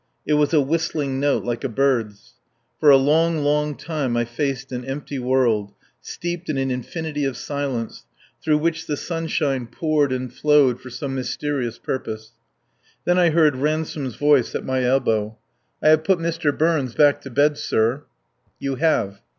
It was a whistling note like a bird's. For a long, long time I faced an empty world, steeped in an infinity of silence, through which the sunshine poured and flowed for some mysterious purpose. Then I heard Ransome's voice at my elbow. "I have put Mr. Burns back to bed, sir." "You have."